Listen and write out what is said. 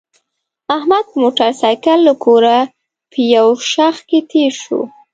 احمد په موټرسایکل له کوره په یو شخ کې تېر شو.